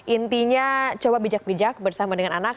intinya coba bijak bijak bersama dengan anak